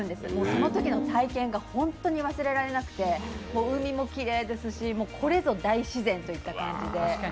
その時の体験が本当に忘れられなくて海もきれいですし、これぞ大自然といった感じで。